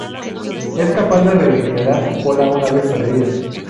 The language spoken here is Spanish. Es capaz de regenerar su cola una vez perdida.